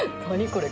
これ。